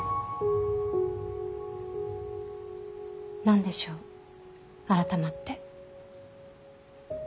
何でしょう改まって。